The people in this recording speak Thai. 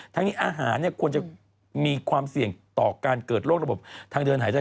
ทั้งนี้อาหารควรจะมีความเสี่ยงต่อการเกิดโรคระบบทางเดินหายใจ